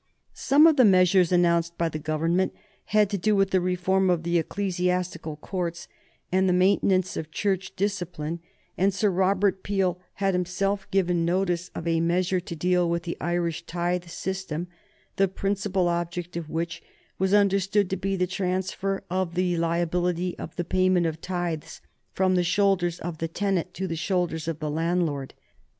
Some of the measures announced by the Government had to do with the reform of the ecclesiastical courts and the maintenance of Church discipline, and Sir Robert Peel had himself given notice of a measure to deal with the Irish tithe system, the principal object of which was understood to be the transfer of the liability of the payment of tithes from the shoulders of the tenant to the shoulders of the landlord.